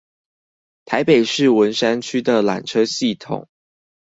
台北市文山區的纜車系統